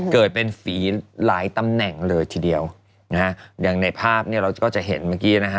เกิดเป็นฝีหลายตำแหน่งเลยทีเดียวนะฮะอย่างในภาพเนี่ยเราก็จะเห็นเมื่อกี้นะฮะ